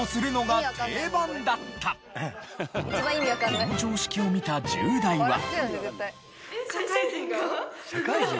この常識を見た１０代は？